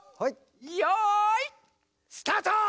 よいスタート！